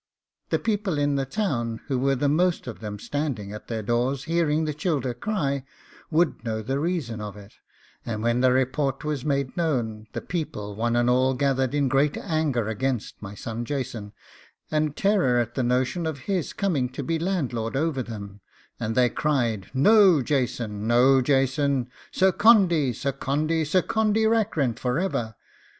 The people in the town, who were the most of them standing at their doors, hearing the childer cry, would know the reason of it; and when the report was made known, the people one and all gathered in great anger against my son Jason, and terror at the notion of his coming to be landlord over them, and they cried, 'No Jason! no Jason! Sir Condy! Sir Condy! Sir Condy Rackrent for ever!